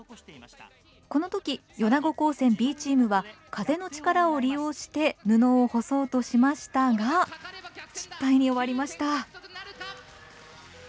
このとき米子高専Ｂチームは風の力を利用して布を干そうとしましたが失敗に終わりました。